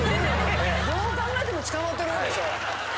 どう考えても捕まってるほうでしょ。